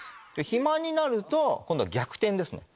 肥満になると今度は逆転ですね。